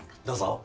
どうぞ。